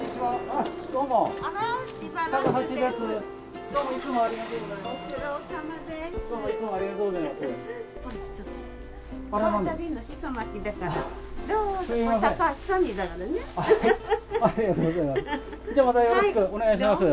ありがとうございます。